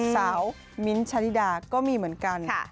สาวมิ้นท์ชาลิดาก็มีเหมือนกัน